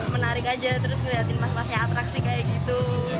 masih atraksi kayak gitu